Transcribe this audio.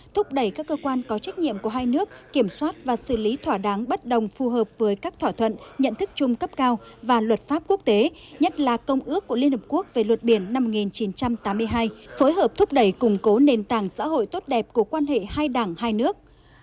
thúc đẩy các cơ quan có trách nhiệm của hai nước kiểm soát và xử lý thỏa đáng bất đồng phù hợp với các thỏa thuận nhận thức chung cấp cao và luật pháp quốc tế nhất là công ước của liên hợp quốc về luật biển năm một nghìn chín trăm tám mươi hai phối hợp thúc đẩy củng cố nền tảng xã hội tốt đẹp của quan hệ hai đảng hai nước